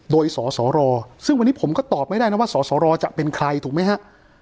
โดยสสรซึ่งวันนี้ผมก็ตอบไม่ได้นะว่าสสรจะเป็นใครถูกไหมฮะ